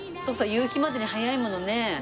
夕日までに早いものね。